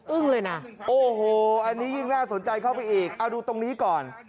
เลยนะโอ้โหอันนี้ยิ่งน่าสนใจเข้าไปอีกเอาดูตรงนี้ก่อน